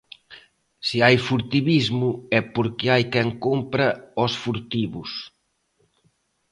Se hai furtivismo, é porque hai quen compra aos furtivos.